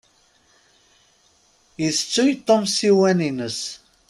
Itettuy Tom ssiwan-ines.